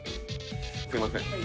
すいません。